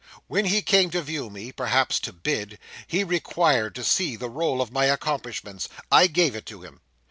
When he came to view me—perhaps to bid—he required to see the roll of my accomplishments. I gave it to him.